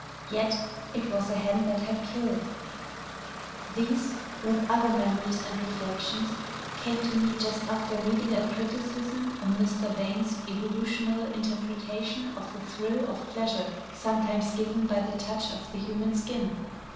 Yet it was a hand that had killed.... These, with other memories and reflections, came to me just after reading a criticism on Mr. Bain's evolutional interpretation of the thrill of pleasure sometimes given by the touch of the human skin.